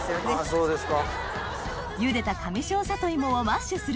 そうですか。